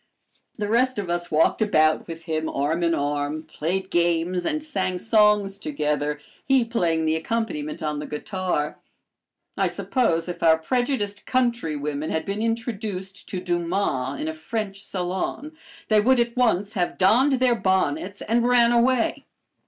The rest of us walked about with him, arm in arm, played games, and sang songs together, he playing the accompaniment on the guitar. I suppose if our prejudiced countrywomen had been introduced to Dumas in a French salon, they would at once have donned their bonnets and ran away.